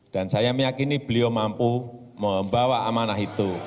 dan saya yakin beliau mampu membawa amanah